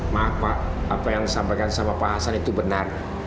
maaf pak apa yang disampaikan sama pak hasan itu benar